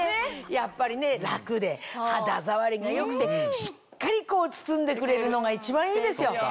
やっぱりね楽で肌触りが良くてしっかり包んでくれるのが一番いいですよ。